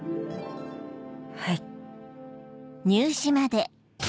はい。